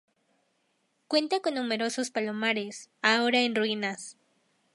Cuenta con numerosos palomares, ahora en ruinas.